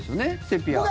セピア。